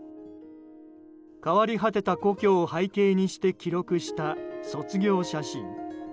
変わり果てた故郷を背景にして記録した卒業写真。